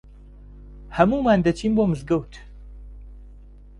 هەموومان دەچین بۆ مزگەوت.